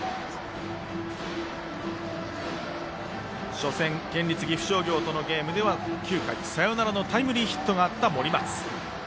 初戦、県立岐阜商業とのゲームでは９回、サヨナラのタイムリーヒットがあった森松。